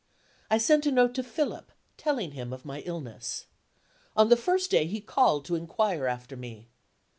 I sent a note to Philip, telling him of my illness. On the first day, he called to inquire after me.